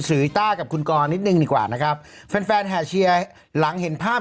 อีต้ากับคุณกรนิดนึงดีกว่านะครับแฟนแฟนแห่เชียร์หลังเห็นภาพ